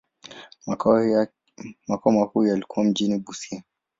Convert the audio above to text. Makao makuu yalikuwa mjini Busia.